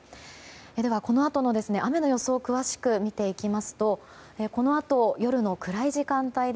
では、このあとの雨の予想を詳しく見ていきますとこのあと夜の暗い時間帯